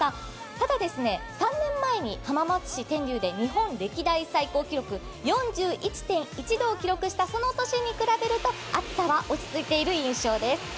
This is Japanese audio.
ただ３年前に浜松市天竜で日本歴代最高記録４１．１度を記録したその年に比べると暑さは落ち着いている印象です。